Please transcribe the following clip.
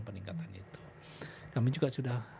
peningkatan itu kami juga sudah